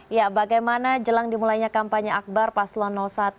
ya bagaimana jelang dimulainya kampanye akbar paslon satu